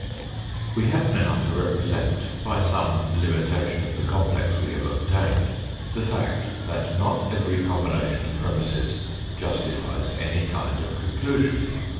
We have now to represent, by some limitation of the complex we have obtained, the fact that not every com bination of premisses justifies any kind of conclusion.